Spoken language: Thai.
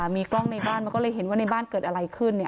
มีกล้องในบ้านมันก็เลยเห็นว่าในบ้านเกิดอะไรขึ้น